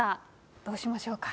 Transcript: どうしましょうか？